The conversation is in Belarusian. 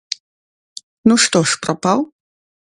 Ну, што ж, прапаў?